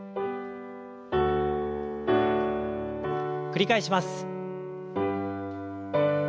繰り返します。